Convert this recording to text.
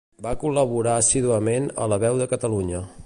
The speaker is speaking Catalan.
Va col·laborar assíduament a La Veu de Catalunya.